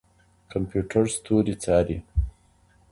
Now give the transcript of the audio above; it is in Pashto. کمپيوټر ستوري څاري.